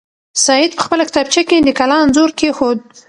سعید په خپله کتابچه کې د کلا انځور کېښود.